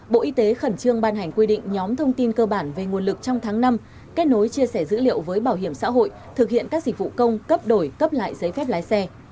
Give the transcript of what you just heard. bộ y tế khẩn trương ban hành quy định nhóm thông tin cơ bản về nguồn lực trong tháng năm kết nối chia sẻ dữ liệu với bảo hiểm xã hội thực hiện các dịch vụ công cấp đổi cấp lại giấy phép lái xe